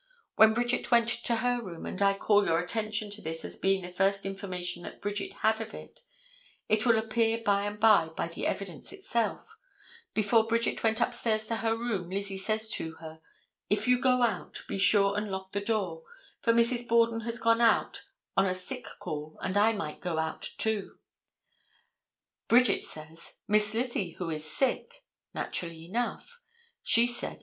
When Bridget went to her room, and I call your attention to this as being the first information that Bridget had of it—it will appear by and by by the evidence itself—before Bridget went upstairs to her room Lizzie says to her, "If you go out, be sure and lock the door, for Mrs. Borden has gone out on a sick call and I might go out, too." Bridget says, "Miss Lizzie, who is sick?" naturally enough. She said.